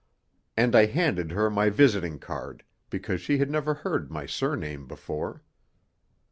And I handed her my visiting card, because she had never heard my surname before.